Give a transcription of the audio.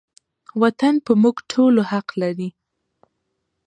وطن په موږ ټولو حق لري